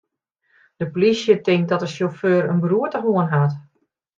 De polysje tinkt dat de sjauffeur in beroerte hân hat.